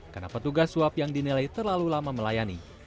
karena petugas swab yang dinilai terlalu lama melayani